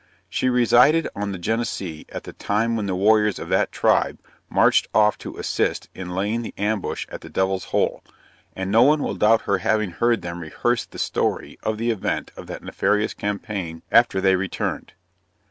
She resided on the Genesee at the time when the warriors of that tribe marched off to assist in laying the ambush at the Devil's Hole; and no one will doubt her having heard them rehearse the story of the event of that nefarious campaign, after they returned.